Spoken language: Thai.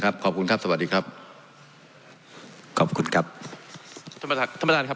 เพราะมันก็มีเท่านี้นะเพราะมันก็มีเท่านี้นะ